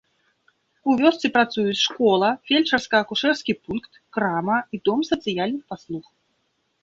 У вёсцы працуюць школа, фельчарска-акушэрскі пункт, крама і дом сацыяльных паслуг.